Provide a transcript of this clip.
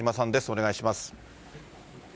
お願いします。